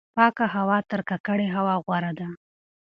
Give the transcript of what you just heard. پاکه هوا تر ککړې هوا غوره ده.